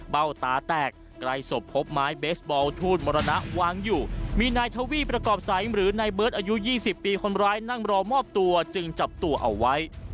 ตาแตกใกล้ศพพบไม้เบสบอลทูตมรณะวางอยู่มีนายทวีประกอบใสหรือนายเบิร์ตอายุ๒๐ปีคนร้ายนั่งรอมอบตัวจึงจับตัวเอาไว้